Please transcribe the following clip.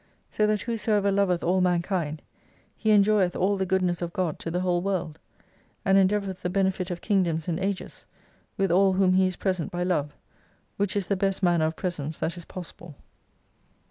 So that whosoever loveth all man kind, he enjoyeth all the goodness of God to the whole world : and endeavoureth the benefit of Kingdoms and Ages, with all whom He is present by Love, which is the best manner of presence that is possible.